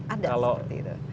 ada seperti itu